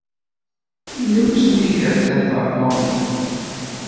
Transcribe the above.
Yella wasmi ay terzamt ɣef London?